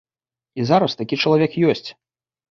І зараз такі чалавек ёсць.